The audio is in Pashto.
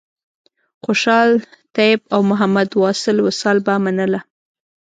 خوشحال طیب او محمد واصل وصال به منله.